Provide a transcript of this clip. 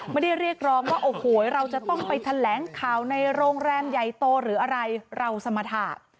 เรียกร้องว่าโอ้โหเราจะต้องไปแถลงข่าวในโรงแรมใหญ่โตหรืออะไรเราสมรรถะ